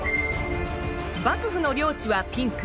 幕府の領地はピンク。